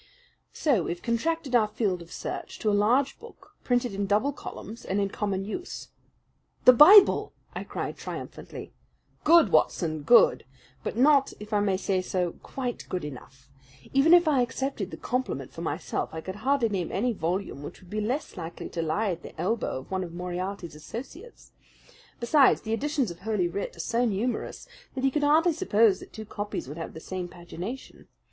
"So we have contracted our field of search to a large book, printed in double columns and in common use." "The Bible!" I cried triumphantly. "Good, Watson, good! But not, if I may say so, quite good enough! Even if I accepted the compliment for myself I could hardly name any volume which would be less likely to lie at the elbow of one of Moriarty's associates. Besides, the editions of Holy Writ are so numerous that he could hardly suppose that two copies would have the same pagination.